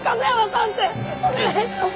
お願いします！